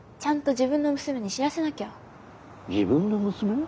自分の娘？